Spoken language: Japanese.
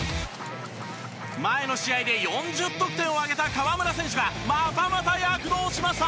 前の試合で４０得点を挙げた河村選手がまたまた躍動しました。